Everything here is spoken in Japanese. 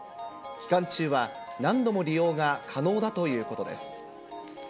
期間中は何度も利用が可能だということです。